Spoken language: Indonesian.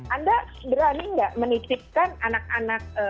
anda berani nggak menitipkan anak anak